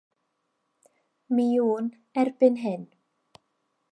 Mi wn erbyn hyn.